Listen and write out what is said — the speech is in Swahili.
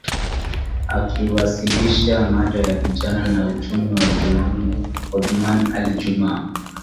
Akiwasilisha mada ya Vijana na Uchumi wa buluu Othman Ali Juma